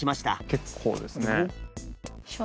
結構ですね。